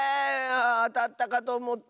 あたったかとおもった。